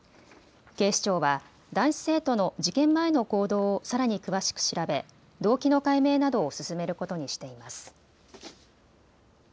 警視庁は男子生徒の事件前の行動をさらに詳しく調べ動機の解明などを進めることにしています。